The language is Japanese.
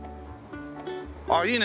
ああいいね。